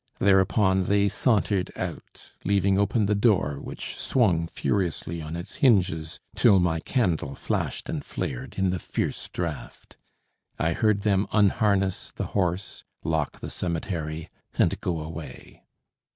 Thereupon they sauntered out, leaving open the door, which swung furiously on its hinges till my candle flashed and flared in the fierce draft. I heard them unharness the horse, lock the cemetery, and go away.